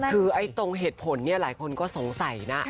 คือตรงเหตุผลเนี่ยหลายคนก็สงสัยนะ